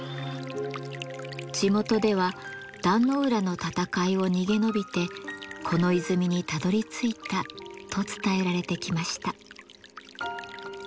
地元では壇ノ浦の戦いを逃げ延びてこの泉にたどりついたと伝えられてきました。